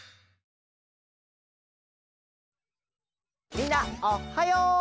みんなおはよう！